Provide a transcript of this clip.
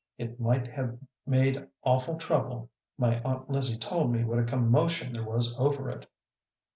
It might have made awful trouble. My aunt Lizzie told me what a commotion there was over it."